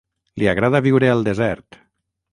Li agrada viure al desert.